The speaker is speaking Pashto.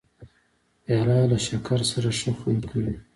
پیاله له شکر سره ښه خوند کوي.